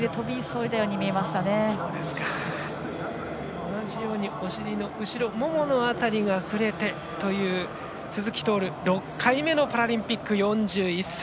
同じようにお尻の後ろももの辺りが触れてという鈴木徹、６回目のパラリンピック４１歳。